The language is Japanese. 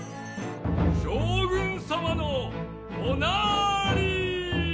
将軍様のおなり。